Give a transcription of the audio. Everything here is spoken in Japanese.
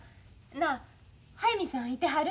なあ速水さんいてはる？